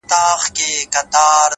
• د زړه لاسونه مو مات ـ مات سول پسي ـ